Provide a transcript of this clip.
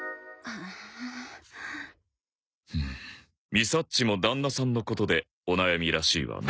みさっちも旦那さんのことでお悩みらしいわね。